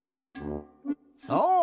そう！